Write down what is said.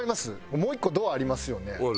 もう１個ドアありますよね。